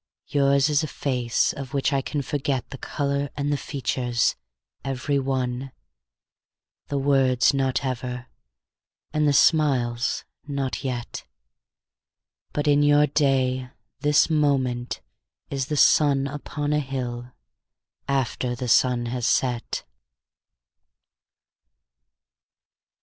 Yours is a face of which I can forget The color and the features, every one, The words not ever, and the smiles not yet; But in your day this moment is the sun Upon a hill, after the sun has set.